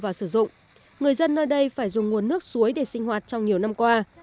nó được đưa vào sử dụng người dân nơi đây phải dùng nguồn nước suối để sinh hoạt trong nhiều năm qua